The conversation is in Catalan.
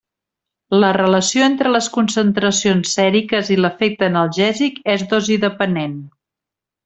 La relació entre les concentracions sèriques i l'efecte analgèsic és dosi-depenent.